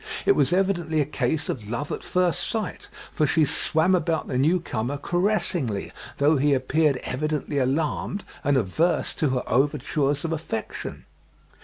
It was evidently a case of love at first sight, for she swam about the new comer caressingly, though he appeared evidently alarmed and averse to her overtures of affection.